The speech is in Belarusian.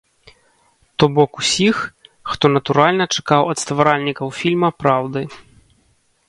То бок усіх, хто, натуральна, чакаў ад стваральнікаў фільма праўды.